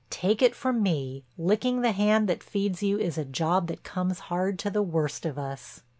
Take it from me, licking the hand that feeds you is a job that comes hard to the worst of us.